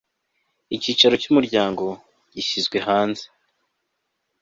icyicaro cy umuryango gishyizwe hanze